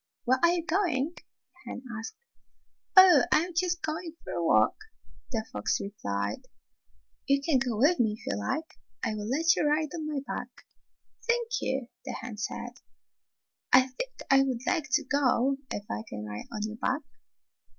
"Where are you going?" the hen asked. "Oh, I'm just going for a walk," the fox 108 Fairy Tale Foxes replied. "You can go with me if you like. I will let you ride bn my back." "Thank you," the hen said, "I think I would like to go if I can ride on your back."